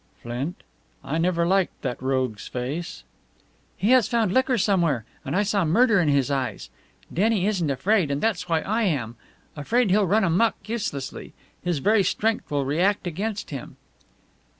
"Flint? I never liked that rogue's face." "He has found liquor somewhere, and I saw murder in his eyes. Denny isn't afraid, and that's why I am afraid he'll run amuck uselessly. His very strength will react against him."